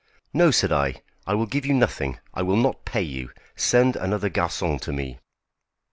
"No," said I, "I will give you nothing. I will not pay you. Send another garçon to me."